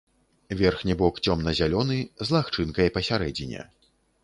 Верхні бок цёмна-зялёны, з лагчынкай пасярэдзіне.